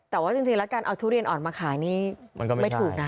แต่ว่าจริงแล้วการเอาทุเรียนอ่อนมาขายนี่มันก็ไม่ถูกนะ